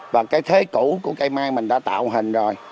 và cái thế cũ của cây mai mình đã tạo hình rồi